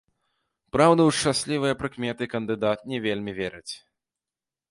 Праўда, у шчаслівыя прыкметы кандыдат не вельмі верыць.